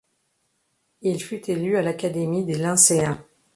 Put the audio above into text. Il fut élu à l’Académie des Lyncéens.